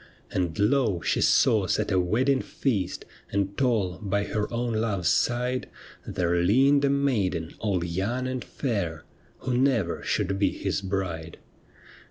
And lo ! she saw set a wedding feast, And tall by her own love's side There leaned a maiden all young and fair Who never should be his bride.